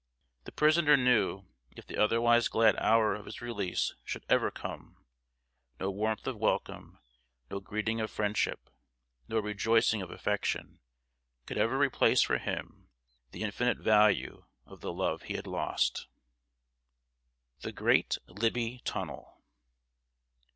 The prisoner knew if the otherwise glad hour of his release should ever come, no warmth of welcome, no greeting of friendship, no rejoicing of affection, could ever replace for him the infinite value of the love he had lost. [Sidenote: THE GREAT LIBBY TUNNEL.